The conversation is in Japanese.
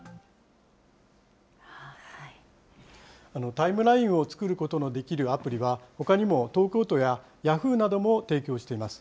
タイムラインを作ることのできるアプリは、ほかにも東京都やヤフーなども提供しています。